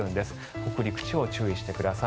北陸地方、注意してください。